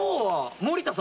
盛田さん！